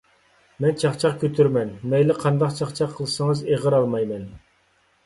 مەن چاقچاق كۆتۈرىمەن. مەيلى قانداق چاقچاق قىلسىڭىز ئېغىر ئالمايمەن.